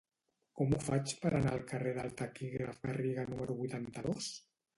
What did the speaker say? Com ho faig per anar al carrer del Taquígraf Garriga número vuitanta-dos?